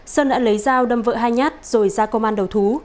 sơn đã lấy dao đâm vợ hai nhát rồi ra công an đầu thú